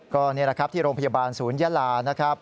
ก็นี่แหละครับที่โรงพยาบาลศูนยาลานะครับ